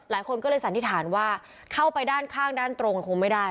หลายคนก็เลยสันนิษฐานว่าเข้าไปด้านข้างด้านตรงคงไม่ได้